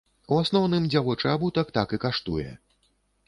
У асноўным дзявочы абутак так і каштуе.